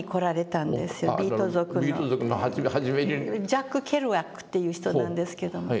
ジャック・ケルアックという人なんですけども。